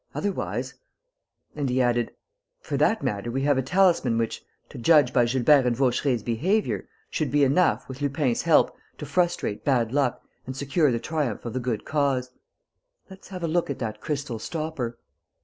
Otherwise...!" And he added, "For that matter, we have a talisman which, to judge by Gilbert and Vaucheray's behaviour, should be enough, with Lupin's help, to frustrate bad luck and secure the triumph of the good cause. Let's have a look at that crystal stopper!"